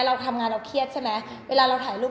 เราทำงานเราเครียดใช่ไหมเวลาเราถ่ายรูป